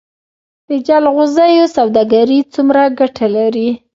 د جلغوزیو سوداګري څومره ګټه لري؟